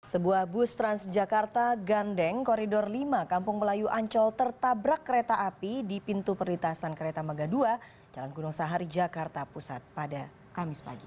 sebuah bus transjakarta gandeng koridor lima kampung melayu ancol tertabrak kereta api di pintu perlintasan kereta mega dua jalan gunung sahari jakarta pusat pada kamis pagi